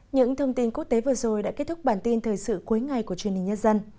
những thông tin quốc tế vừa rồi đã kết thúc bản tin thời sự cuối ngày của chương trình nhất dân